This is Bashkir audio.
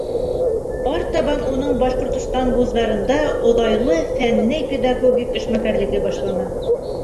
Артабан уның Башҡортостан вуздарында оҙайлы фәнни-педагогик эшмәкәрлеге башлана.